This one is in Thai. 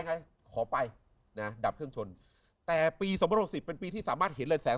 ไงขอไปดับเครื่องชนแต่ปี๒๐๑๖เป็นปีที่สามารถเห็นเลยแสง